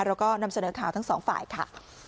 เราก็นำเสนอข่าวทั้งสองฝ่ายค่ะ